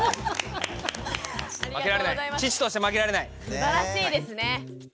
すばらしいですね。